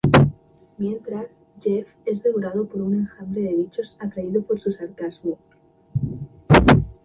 Mientras, Jeff es devorado por un enjambre de bichos atraído por su sarcasmo.